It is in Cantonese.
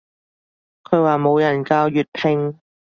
佢話冇人教粵拼